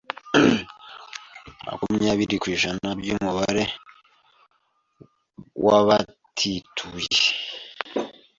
makumyabiri kw’ijana by'umubare w'ababituye